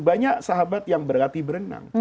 banyak sahabat yang berlatih berenang